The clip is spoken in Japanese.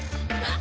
あ。